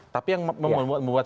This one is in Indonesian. tapi yang membuat saya menarik begini